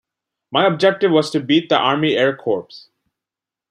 My objective was to beat the Army Air Corps.